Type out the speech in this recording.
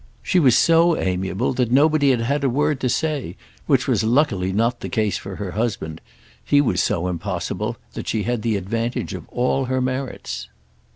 She was so amiable that nobody had had a word to say; which was luckily not the case for her husband. He was so impossible that she had the advantage of all her merits.